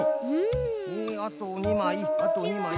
えあと２まいあと２まい。